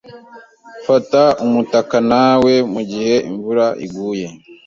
Fata umutaka nawe mugihe imvura iguye.